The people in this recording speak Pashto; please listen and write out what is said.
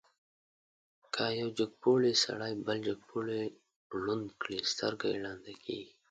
که یو جګپوړی سړی بل جګپوړی ړوند کړي، سترګه یې ړنده کېږي.